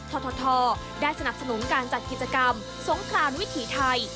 ททได้สนับสนุนการจัดกิจกรรมสงครานวิถีไทย